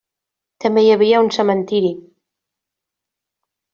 També hi havia un cementiri.